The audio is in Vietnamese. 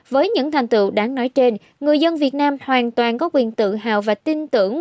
với những thành tựu đáng nói trên người dân việt nam hoàn toàn có quyền tự hào và tin tưởng